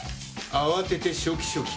慌てて「ショキショキ」